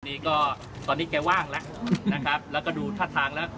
นี่ก็ตอนนี้แกว่างแล้วนะครับแล้วก็ดูท่าทางแล้ว